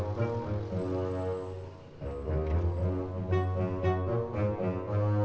mbak kita nyari tempat yang bebas kambing